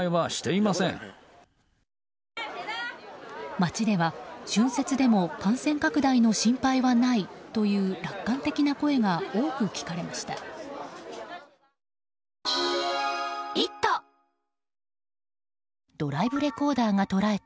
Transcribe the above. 街では春節でも感染拡大の心配はないという楽観的な声が多く聞かれました。